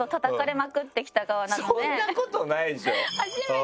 そんなことないでしょ。